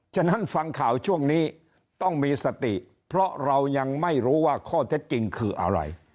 ฉะนั้นฟังข่าวช่วงนี้ต้องมีสติเพราะเรายังไม่รู้ว่าข้อเท็จจริงคืออะไร